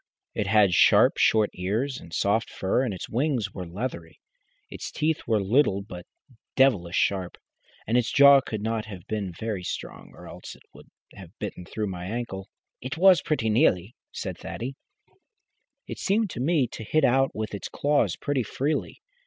It had sharp, short ears, and soft fur, and its wings were leathery. Its teeth were little but devilish sharp, and its jaw could not have been very strong or else it would have bitten through my ankle." "It has pretty nearly," said Thaddy. "It seemed to me to hit out with its claws pretty freely.